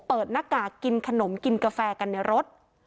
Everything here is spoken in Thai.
หน้ากากกินขนมกินกาแฟกันในรถ